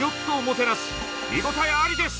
見応えありです！